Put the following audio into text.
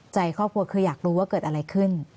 ใจครอบครัวคืออยากรู้ว่าเกิดอะไรขึ้น